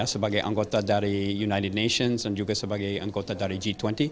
sebagai anggota dari united nations dan juga sebagai anggota dari g dua puluh